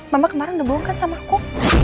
mama kemarin udah bohong kan sama aku